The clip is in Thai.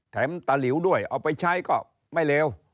ตะหลิวด้วยเอาไปใช้ก็ไม่เลว